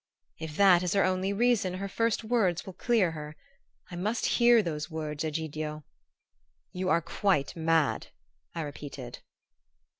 "If that is her only reason her first words will clear her. I must hear those words, Egidio!" "You are quite mad," I repeated.